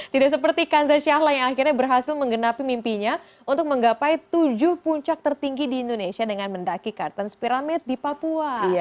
tidak seperti kanza syahla yang akhirnya berhasil menggenapi mimpinya untuk menggapai tujuh puncak tertinggi di indonesia dengan mendaki kartens piramid di papua